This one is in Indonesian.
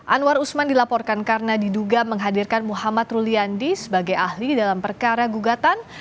anwar usman dilaporkan karena diduga menghadirkan muhammad ruliandi sebagai ahli dalam perkara gugatan